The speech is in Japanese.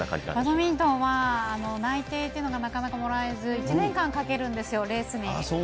バドミントンは内定というのがなかなかもらえず、１年間かけるんですよ、レースに。